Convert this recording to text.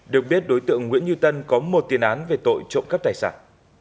được biết đối tượng nguyễn như tân có một tiền án về tội trộm cắp tài sản